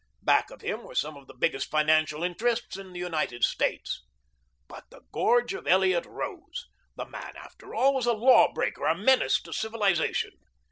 Back of him were some of the biggest financial interests in the United States. But the gorge of Elliot rose. The man, after all, was a law breaker, a menace to civilization.